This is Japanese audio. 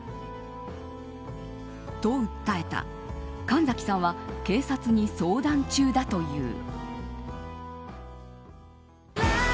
神崎さんは警察に相談中だという。